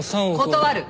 断る。